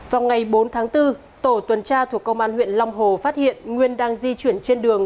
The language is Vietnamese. vào ngày bốn tháng bốn tổ tuần tra thuộc công an huyện long hồ phát hiện nguyên đang di chuyển trên đường